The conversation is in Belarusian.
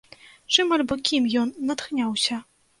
Чым альбо кім ён натхняўся?